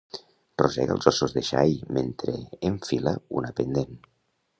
Rosega els ossos de xai mentre enfila una pendent.